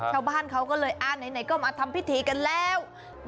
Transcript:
ชาวบ้านเขาก็เลยไหนก็มาทำพิธีกันแล้ว